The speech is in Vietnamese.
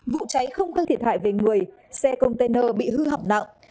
vụ cháy không cơ thể thải về người xe container bị hư hỏng nặng